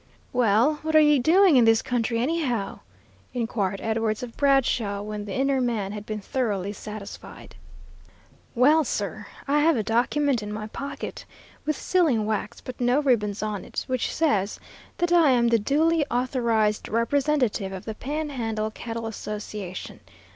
"Well, what are you doing in this country anyhow?" inquired Edwards of Bradshaw, when the inner man had been thoroughly satisfied. "Well, sir, I have a document in my pocket, with sealing wax but no ribbons on it, which says that I am the duly authorized representative of the Panhandle Cattle Association.